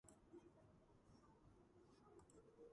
გუმბათქვეშა კონსტრუქციად აფრებია გამოყენებული.